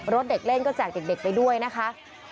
เด็กเล่นก็แจกเด็กไปด้วยนะคะ